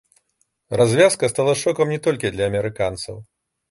Развязка стала шокам не толькі для амерыканцаў.